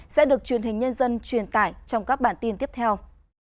sẽ được truyền hình nhân dân truyền tải trong các bản tin tiếp theo